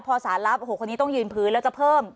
พอสารรับโอ้โหคนนี้ต้องยืนพื้นแล้วจะเพิ่ม